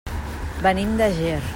Venim de Ger.